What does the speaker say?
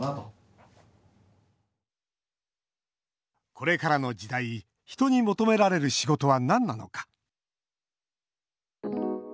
これからの時代人に求められる仕事は何なのか。